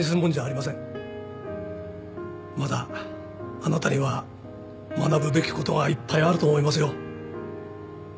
まだあなたには学ぶべきことがいっぱいあると思いますよ。